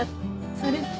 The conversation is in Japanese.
それって。